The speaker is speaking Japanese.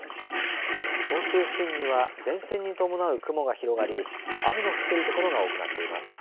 本州付近には前線に伴う雲が広がり、雨の降っている所が多くなっています。